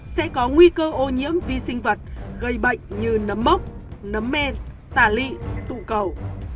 sẽ có nguy cơ ô nhiễm vi sinh vật gây bệnh như nấm mốc nấm men tả lị tụ cầu